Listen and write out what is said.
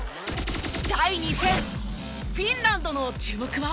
第２戦フィンランドの注目は？